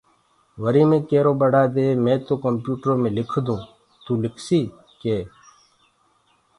وريٚ مي ڪيرو ٻڙآ دي مي تو ڪمپيوٽرو مي لکدونٚ تو لکسيٚ ڪي